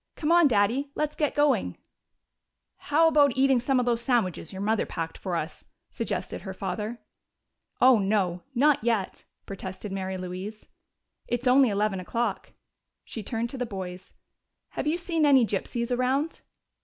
"Come on, Daddy! Let's get going!" "How about eating some of those sandwiches your mother packed for us?" suggested her father. "Oh, no not yet!" protested Mary Louise. "It's only eleven o'clock." She turned to the boys. "Have you seen any gypsies around?"